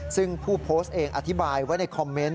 ซึ่งผู้โพสต์เองอธิบายไว้ในคอมเมนต์